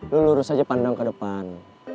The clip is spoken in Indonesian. lu lurus aja pandang ke depan